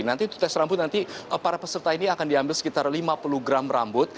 nanti untuk tes rambut nanti para peserta ini akan diambil sekitar lima puluh gram rambut